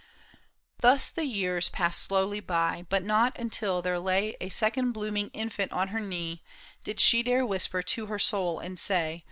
Thus the years Passed slowly by, but not until there lay A second blooming infant on her knee. Did she dare whisper to her soul and say.